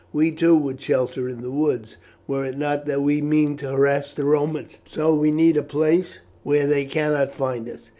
We, too, would shelter in the woods, were it not that we mean to harass the Romans, so we need a place where they cannot find us.